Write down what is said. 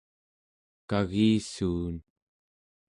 kagissuun